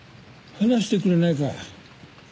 話してくれないか？